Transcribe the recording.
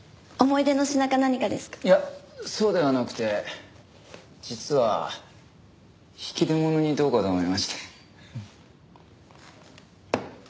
いやそうではなくて実は引き出物にどうかと思いまして。